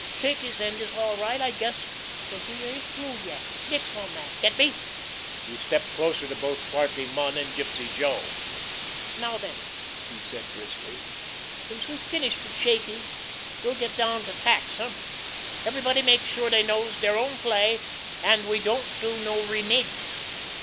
"Shaky's end is all right, I guess; but we ain't through yet. Nix on dat—get me!" He stepped closer to both Clarkie Munn and Gypsy Joe. "Now, den," he said briskly, "since we're satisfied wid Shaky, we'll get down to tacks—eh? Everybody makes sure dey knows dere own play, an' we don't make no renigs.